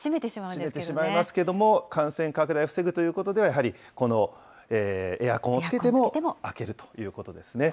閉めてしまうんですけれども、感染拡大を防ぐということでは、やはりこのエアコンをつけても開けるということですね。